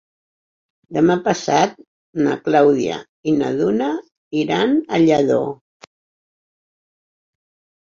Demà passat na Clàudia i na Duna iran a Lladó.